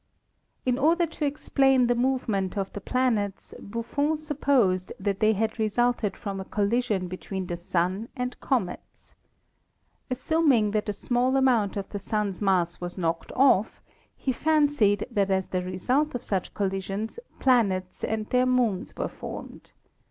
In order to explain the movement of the planets, Buffon supposed that they had resulted from a collision between the Sun and comets. Assuming that a small amount of the Sun's mass was knocked off, he fancied that as the result of such collisions planets and their moons were formed.